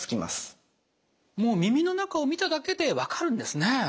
もう耳の中を見ただけで分かるんですね。